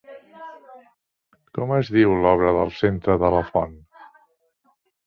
Com es diu l'obra del centre de la font?